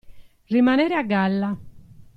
Rimanere a galla.